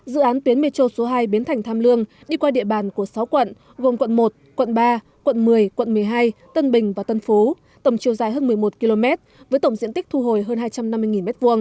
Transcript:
dự án tuyến metro số hai biến thành tham lương đi qua địa bàn của sáu quận gồm quận một quận ba quận một mươi quận một mươi hai tân bình và tân phú tổng chiều dài hơn một mươi một km với tổng diện tích thu hồi hơn hai trăm năm mươi m hai